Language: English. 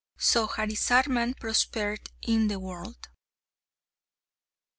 So Harisarman prospered in the world.